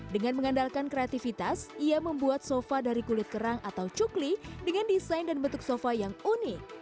dengan mengandalkan kreativitas ia membuat sofa dari kulit kerang atau cukli dengan desain dan bentuk sofa yang unik